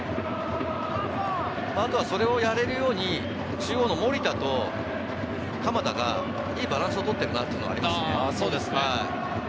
あとはそれをやれるように中央の守田と鎌田がいいバランスをとっているなっていうのはありますね。